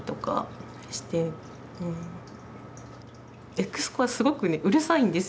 エクスコアすごくねうるさいんですよ。